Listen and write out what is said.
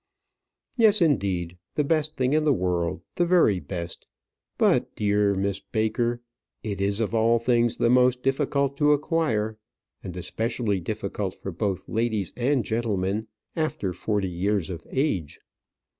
Yes, indeed, the best thing in the world the very best. But, dear Miss Baker, it is of all things the most difficult to acquire and especially difficult for both ladies and gentlemen after forty years of age.